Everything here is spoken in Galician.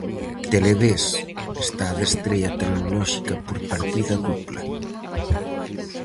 Televés está de estrea tecnolóxica por partida dupla.